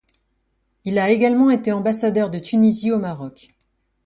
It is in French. Il a également été ambassadeur de Tunisie au Maroc.